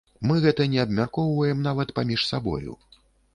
Мы гэта не абмяркоўваем нават паміж сабою.